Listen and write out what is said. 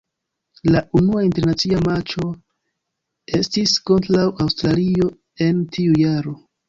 La unua internacia matĉo estis kontraŭ Aŭstralio en tiu jaro.